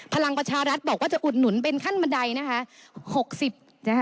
พลังประชารัฐบอกว่าจะอุดหนุนเป็นขั้นบันไดนะคะ